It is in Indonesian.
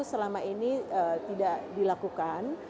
selama ini tidak dilakukan